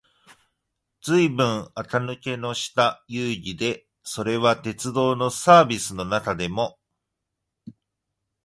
ずいぶん垢抜けのした遊戯で、それは鉄道のサーヴィスの中でも、